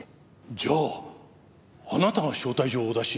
じゃああなたが招待状をお出しになった？